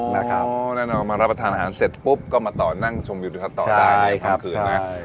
อ๋อถ้ามารับประทานอาหารเสร็จพุบก็มาต่อนั่งกันทางชมวิวถือชับต่อครั้งคืน